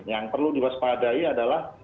yang perlu dibespadai adalah